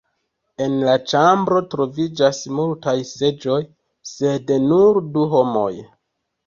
En la ĉambro troviĝas multaj seĝoj sed nur du homoj.